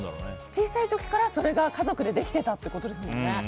小さい時からそれが家族でできていたということですよね。